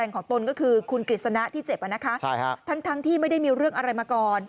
ของตนก็คือคุณกฤษณะที่เจ็บทั้งที่ไม่ได้มีเรื่องอะไรมาก่อน